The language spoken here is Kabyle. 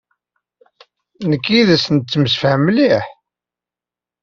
Nekk yid-s nettemsefham mliḥ.